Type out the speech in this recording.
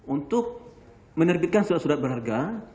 untuk menerbitkan surat surat berharga